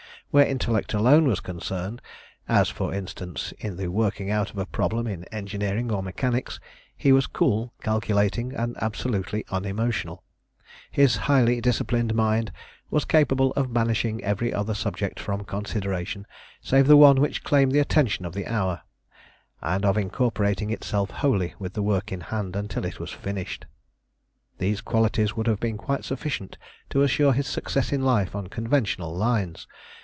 Where intellect alone was concerned as, for instance, in the working out of a problem in engineering or mechanics he was cool, calculating, and absolutely unemotional. His highly disciplined mind was capable of banishing every other subject from consideration save the one which claimed the attention of the hour, and of incorporating itself wholly with the work in hand until it was finished. These qualities would have been quite sufficient to assure his success in life on conventional lines.